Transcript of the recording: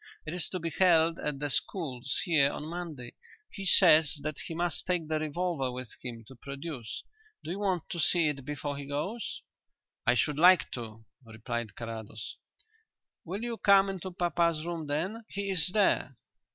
It is to be held at the schools here on Monday. He says that he must take the revolver with him to produce. Do you want to see it before he goes?" "I should like to," replied Carrados. "Will you come into papa's room then? He is there."